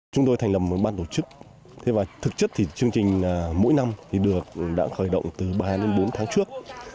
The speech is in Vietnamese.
chúng tôi thành lập một ban tổ chức và thực chất thì chương trình mỗi năm thì đã khởi động từ ba đến bốn tháng trước